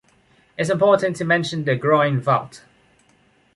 It’s important to mention the groin vault.